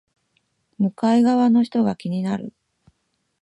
向かい側の人が気になる